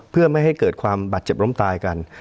เพื่อไม่ให้เกิดความบาดเจ็บล้มตายกัน